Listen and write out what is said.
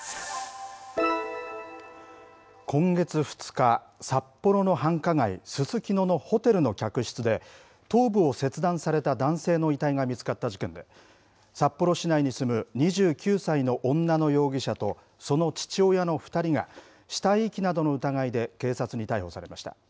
今月２日、札幌の繁華街、ススキノのホテルの客室で、頭部を切断された男性の遺体が見つかった事件で、札幌市内に住む２９歳の女の容疑者と、その父親の２人が、死体遺棄などの疑いで警察に逮捕されました。